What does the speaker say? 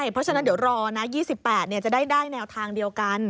เพราะฉะนั้นเดี๋ยวรอนะ๒๘จะได้แนวทางเดียวกัน